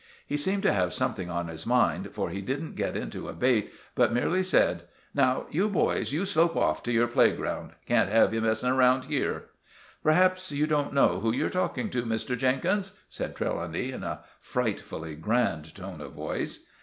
He seemed to have something on his mind, for he didn't get into a bate, but merely said— "Now, you boys, you slope off to your playground—can't have you messing about here." "Perhaps you don't know who you're talking to, Mr. Jenkins," said Trelawny in a frightfully grand tone of voice.